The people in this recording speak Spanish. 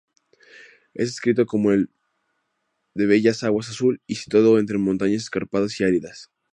Es descrito como de "bellas aguas, azul y situado entre montañas escarpadas y áridas".